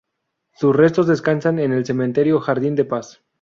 Sus restos descansan en el cementerio Jardín de Paz.